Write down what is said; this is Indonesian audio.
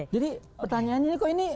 jadi pertanyaannya kok ini